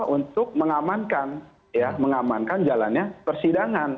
untuk mengamankan ya mengamankan jalannya persidangan